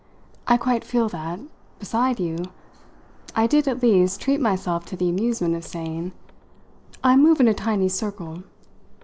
I quite feel that, beside you" I did, at least, treat myself to the amusement of saying "I move in a tiny circle.